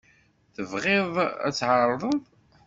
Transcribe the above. Tebɣiḍ ad tεerḍeḍ?